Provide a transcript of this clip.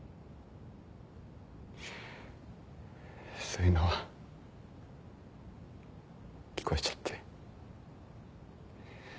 そういうのは聞こえちゃって。